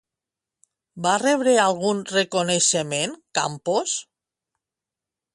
Va rebre algun reconeixement Campos?